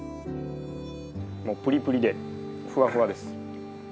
もうプリプリでフワフワです。